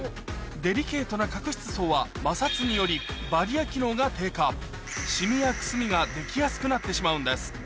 デリケートな角質層は摩擦によりバリア機能が低下シミやくすみができやすくなってしまうんです